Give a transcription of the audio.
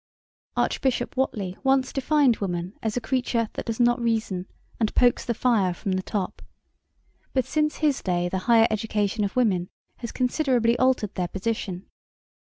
Archbishop Whately once defined woman as 'a creature that does not reason and pokes the fire from the top,' but since his day the higher education of women has considerably altered their position.